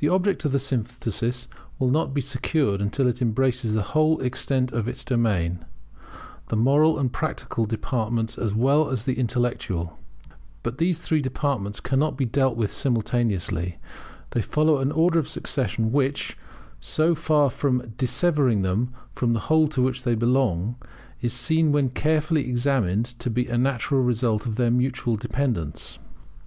The object of the synthesis will not be secured until it embraces the whole extent of its domain, the moral and practical departments as well as the intellectual. But these three departments cannot be dealt with simultaneously. They follow an order of succession which, so far from dissevering them from the whole to which they belong, is seen when carefully examined to be a natural result of their mutual dependence.